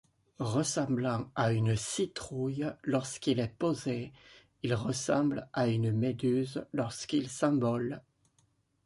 Ressemblant à une citrouille lorsqu'il est posé, il ressemble à une méduse lorsqu'il s'envole.